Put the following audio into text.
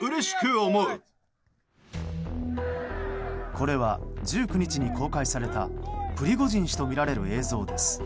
これは１９日に公開されたプリゴジン氏とみられる映像です。